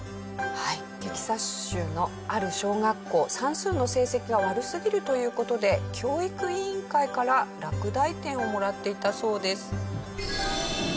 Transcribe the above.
はいテキサス州のある小学校算数の成績が悪すぎるという事で教育委員会から落第点をもらっていたそうです。